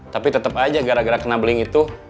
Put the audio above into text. tapi tetep aja gara gara kena beling itu